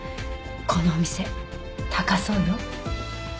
このお店高そうよ。